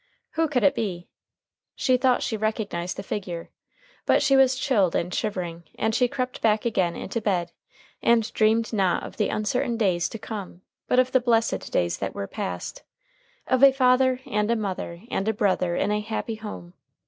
Who could it be? She thought she recognized the figure. But she was chilled and shivering, and she crept back again into bed, and dreamed not of the uncertain days to come, but of the blessed days that were past of a father and a mother and a brother in a happy home.